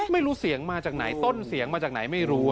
ไม่รู้เสียงมาจากไหนต้นเสียงมาจากไหนไม่รู้